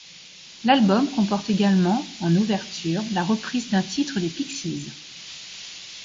L'album comporte également, en ouverture, la reprise d'un titre des Pixies.